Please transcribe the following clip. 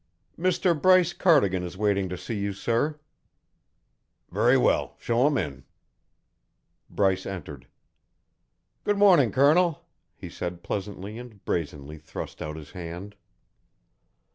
"Mr. Bryce Cardigan is waiting to see you, sir." "Very well. Show him in." Bryce entered. "Good morning, Colonel," he said pleasantly and brazenly thrust out his hand.